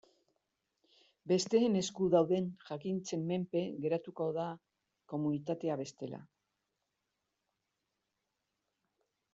Besteen esku dauden jakintzen menpe geratuko da komunitatea bestela.